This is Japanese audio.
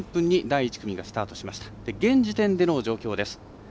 現時点での状況です。